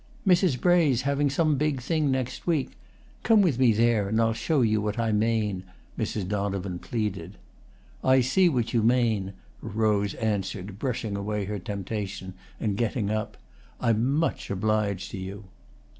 "Mrs. Bray's having some big thing next week; come with me there and I'll show you what I mane," Mrs. Donovan pleaded. "I see what you mane," Rose answered, brushing away her temptation and getting up. "I'm much obliged to you."